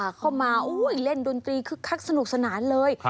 อีกเล่นดนตรีคึกคักสนุกสนานเลย